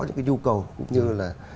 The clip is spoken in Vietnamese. những cái nhu cầu cũng như là